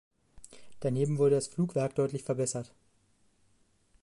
Daneben wurde das Flugwerk deutlich verbessert.